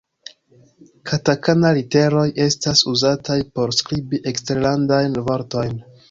Katakana-literoj estas uzataj por skribi eksterlandajn vortojn.